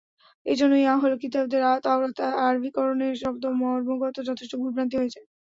এজন্যই আহলে কিতাবদের তাওরাত আরবীকরণে শব্দ ও মর্মগত যথেষ্ট ভুল-ভ্রান্তি হয়েছে।